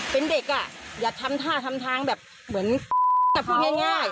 เป็นเด็กอ่ะอย่าทำท่าทำทางแบบเหมือนจะพูดง่าย